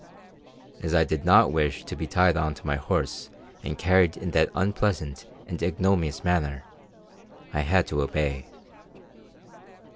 As I did not wish to be tied on to my horse and carried in that unpleasant and ignominious manner, I had to obey.